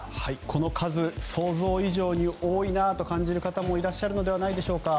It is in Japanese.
この数、想像以上に多いなと感じる方もいらっしゃるのではないでしょうか。